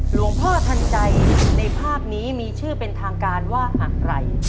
หลวงพ่อทันใจในภาพนี้มีชื่อเป็นทางการว่าอะไร